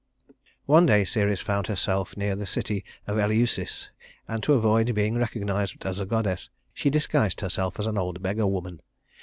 One day Ceres found herself near the city of Eleusis, and to avoid being recognized as a goddess, she disguised herself as an old beggar woman.